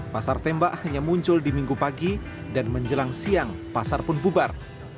pasar tembak hanya muncul di minggu pagi dan menjelang siang pasar pun bubar